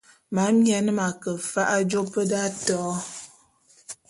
Mamien m'ake mfa'a jôp d'atôô.